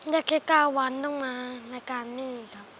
ได้แค่๙วันต้องมาในการนื่นครับ